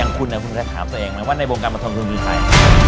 อย่างคุณนะคุณจะถามตัวเองไหมว่าในโบงการประทงคุณคือใคร